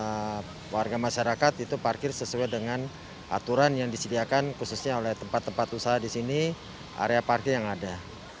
dan kami berharap warga masyarakat itu parkir sesuai dengan aturan yang disediakan khususnya oleh tempat tempat usaha disini area parkir yang ada